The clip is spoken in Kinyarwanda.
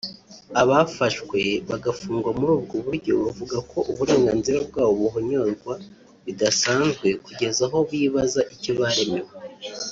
abafashwe bagafungwa muri ubwo buryo bavuga ko uburenganzira bwabo buhonyorwa bidasanzwe kugeza aho bibaza icyo baremewe